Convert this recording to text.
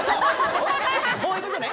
こういうことね。